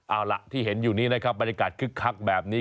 เอาล่ะที่เห็นอยู่นี้นะครับบรรยากาศคึกคักแบบนี้